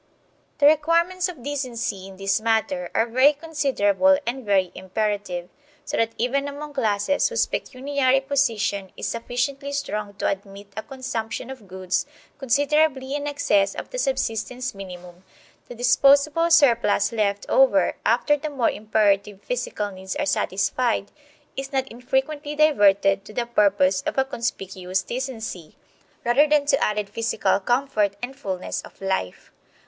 The requirements of decency in this matter are very considerable and very imperative; so that even among classes whose pecuniary position is sufficiently strong to admit a consumption of goods considerably in excess of the subsistence minimum, the disposable surplus left over after the more imperative physical needs are satisfied is not infrequently diverted to the purpose of a conspicuous decency, rather than to added physical comfort and fullness of life.